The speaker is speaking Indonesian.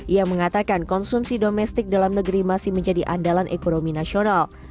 ia mengatakan konsumsi domestik dalam negeri masih menjadi andalan ekonomi nasional